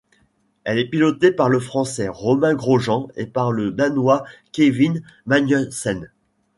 Elle est pilotée par le Français Romain Grosjean et par le Danois Kevin Magnussen.